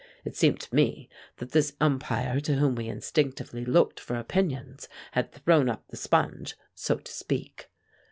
It seemed to me that this umpire to whom we instinctively looked for opinions had thrown up the sponge, so to speak.